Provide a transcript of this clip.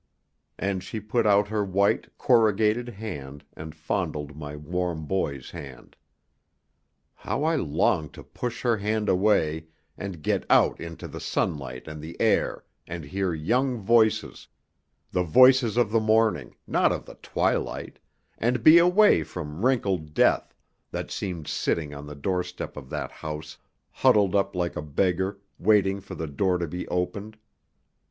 And she put out her white, corrugated hand, and fondled my warm boy's hand. How I longed to push her hand away, and get out into the sunlight and the air, and hear young voices, the voices of the morning, not of the twilight, and be away from wrinkled Death, that seemed sitting on the doorstep of that house huddled up like a beggar, waiting for the door to be opened!